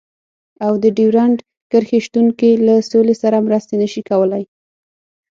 او د ډيورنډ کرښې شتون کې له سولې سره مرسته نشي کولای.